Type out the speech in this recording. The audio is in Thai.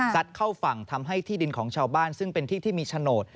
เข้าฝั่งทำให้ที่ดินของชาวบ้านซึ่งเป็นที่ที่มีโฉนด